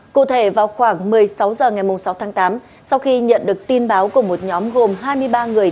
cụ thể vào khoảng một mươi sáu h ngày sáu tháng tám sau khi nhận được tin báo của một nhóm gồm hai mươi ba người